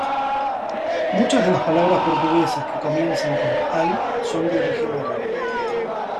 Muchas de las palabras portuguesas que comienzan con "al-" son de origen árabe.